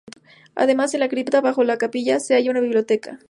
Además, en la cripta bajo la capilla se halla una biblioteca.